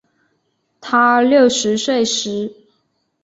她六十岁时